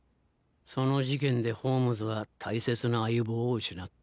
その事件でホームズは大切な相棒を失った。